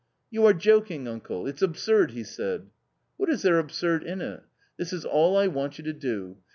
"You are joking, uncle? it's absurd! " he said. " What is there absurd in it ? This is all I want you to do.